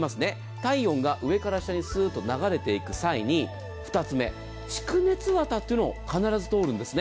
体温が上から下にスーッと流れていく際に２つ目、蓄熱綿というのを必ず通るんですね。